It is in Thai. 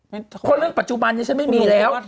เพราะเรื่องปัจจุบันนี้ฉันไม่มีแล้ว